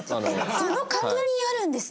その確認あるんですね。